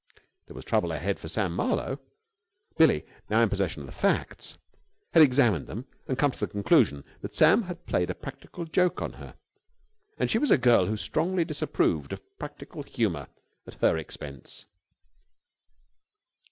There was trouble ahead for Sam Marlowe. Billie, now in possession of the facts, had examined them and come to the conclusion that Sam had played a practical joke on her, and she was a girl who strongly disapproved of practical humor at her expense.